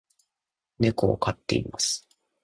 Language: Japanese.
猫を飼っています